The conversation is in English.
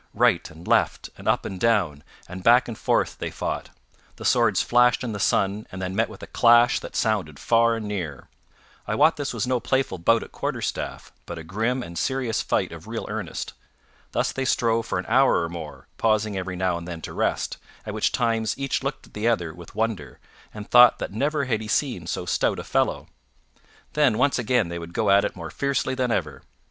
Right and left, and up and down and back and forth they fought. The swords flashed in the sun and then met with a clash that sounded far and near. I wot this was no playful bout at quarterstaff, but a grim and serious fight of real earnest. Thus they strove for an hour or more, pausing every now and then to rest, at which times each looked at the other with wonder, and thought that never had he seen so stout a fellow; then once again they would go at it more fiercely than ever.